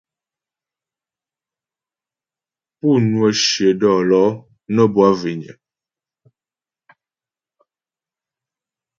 Pú ŋwə shyə dɔ̌lɔ̌ nə́ bwâ zhwényə.